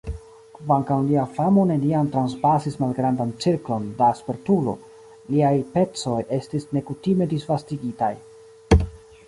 Kvankam lia famo neniam transpasis malgrandan cirklon da spertulo, liaj pecoj estis nekutime disvastigitaj.